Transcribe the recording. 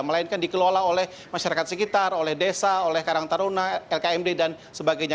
melainkan dikelola oleh masyarakat sekitar oleh desa oleh karang taruna lkmd dan sebagainya